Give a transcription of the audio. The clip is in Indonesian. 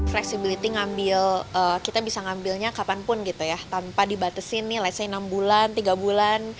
fleksibilitas kita bisa mengambilnya kapanpun tanpa dibatasi nilai enam bulan tiga bulan